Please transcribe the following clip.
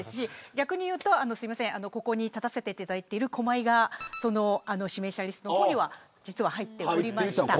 逆にここに立たせていただいている駒井が指名者リストの方には実は入っておりました。